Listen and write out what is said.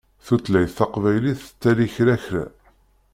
Tutlayt taqbaylit tettali kra kra.